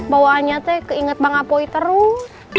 bawaannya tuh keinget bang apoi terus